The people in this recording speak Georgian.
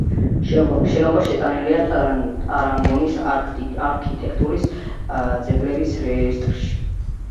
შენობა შეტანილია ტაგანროგის არქიტექტურული ძეგლების რეესტრში.